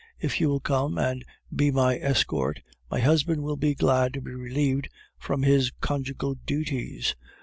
If you will come and be my escort, my husband will be glad to be relieved from his conjugal duties.